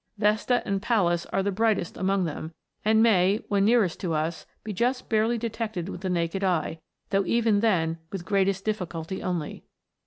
Vesta and Pallas are the brightest among them, and may, when nearest to us, be just barely detected with the naked eye, though even then with the greatest difficulty only.